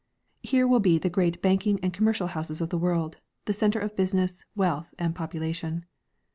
Here will be the great banking and commercial houses of the world, the center of business, wealth and population.